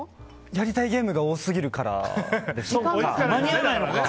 やりたいゲームが多すぎるからですかね。